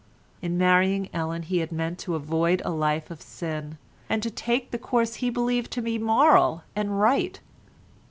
In marrying Ellen he had meant to avoid a life of sin, and to take the course he believed to be moral and right.